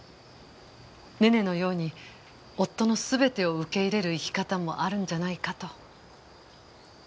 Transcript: ねねのように夫の全てを受け入れる生き方もあるんじゃないかと。